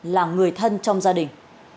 và người thân trong gia đình